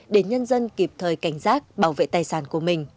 để nhân dân kịp thời cảnh giác bảo vệ tài sản của mình